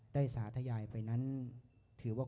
สาธยายไปนั้นถือว่า